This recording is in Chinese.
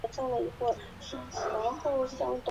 沙斯皮纳克。